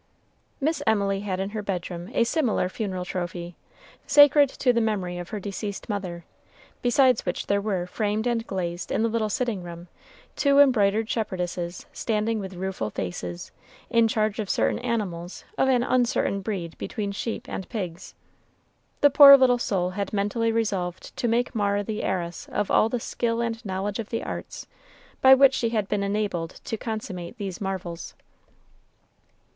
Miss Emily had in her bedroom a similar funeral trophy, sacred to the memory of her deceased mother, besides which there were, framed and glazed, in the little sitting room, two embroidered shepherdesses standing with rueful faces, in charge of certain animals of an uncertain breed between sheep and pigs. The poor little soul had mentally resolved to make Mara the heiress of all the skill and knowledge of the arts by which she had been enabled to consummate these marvels.